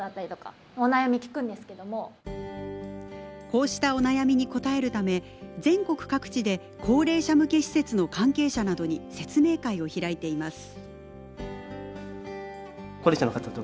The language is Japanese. こうしたお悩みに応えるため全国各地で高齢者向け施設の関係者などに説明会を開いています。